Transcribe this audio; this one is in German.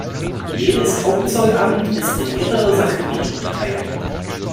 Jedes Hauptzollamt ist in mehrere Sachgebiete unterteilt.